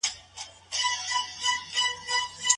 د مرکې پر وخت ولي بايد دقت وسي؟